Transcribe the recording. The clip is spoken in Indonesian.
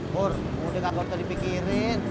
pur mudah nggak berta dipikirin